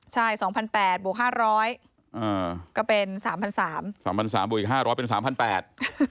ใช่สองพันแปดบวกห้าร้อยอ่าก็เป็นสามพันสามสามพันสามบวกอีกห้าร้อยเป็นสามพันแปด